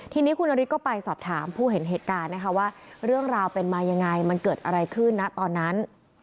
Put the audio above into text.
ทีนี้คุณนฤทธิก็ไปสอบถามผู้เห็นเหตุการณ์นะคะว่าเรื่องราวเป็นมายังไงมันเกิดอะไรขึ้นนะตอนนั้น